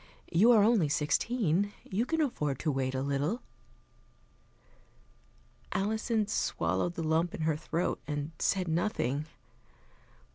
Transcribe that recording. You are only sixteen, you can afford to wait a little." Alison swallowed the lump in her throat and said nothing.